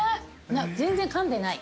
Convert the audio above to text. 全然かんでない。